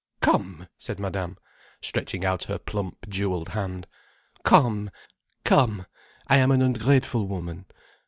"Come!" said Madame, stretching out her plump jewelled hand. "Come, I am an ungrateful woman.